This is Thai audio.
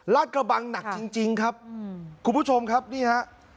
กระบังหนักจริงครับคุณผู้ชมครับนี่ฮะ